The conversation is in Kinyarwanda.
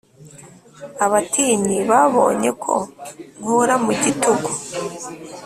Abatinyi babonye ko nkura mu gitugu